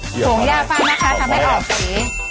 โหงหญ้าฝั่งนะคะทำให้ออกสี